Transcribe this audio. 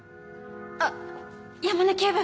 あっ山根警部！